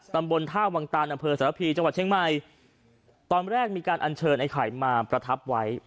ตำบลท่าวังตานอำเภอสารพีจังหวัดเชียงใหม่ตอนแรกมีการอัญเชิญไอ้ไข่มาประทับไว้